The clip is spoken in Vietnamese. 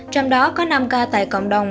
trong đó có năm ca tại cộng đồng